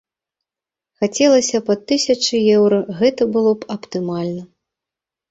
Хацелася б ад тысячы еўра, гэта было б аптымальна.